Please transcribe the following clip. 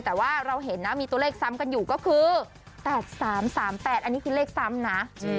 แต่ว่าเราเห็นนะมีตัวเลขซ้ำกันอยู่ก็คือ๘๓๓๘อันนี้คือเลขซ้ำนะ